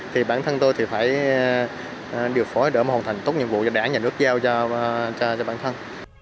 thì bản thân tôi thì phải điều phối để hoàn thành tốt nhiệm vụ do đảng nhà nước giao cho bản thân